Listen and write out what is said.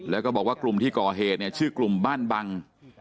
แล้วก็บอกว่ากลุ่มที่ก่อเหตุเนี่ยชื่อกลุ่มบ้านบัง